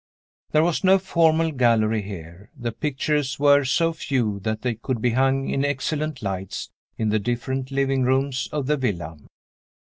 There was no formal gallery here. The pictures were so few that they could be hung in excellent lights in the different living rooms of the villa.